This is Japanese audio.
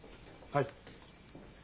はい。